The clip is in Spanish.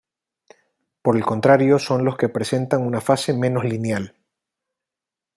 Por el contrario son los que presentan una fase menos lineal.